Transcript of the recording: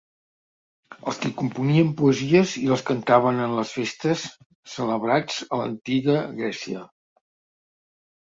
Els qui componien poesies i les cantaven en les festes celebrats a l'antiga Grècia.